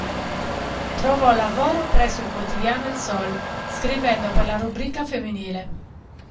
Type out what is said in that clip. Trovò lavoro presso il quotidiano "El Sol" scrivendo per la rubrica femminile.